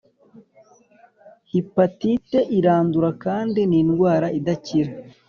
Hipatite irandura kndi nindwara idakira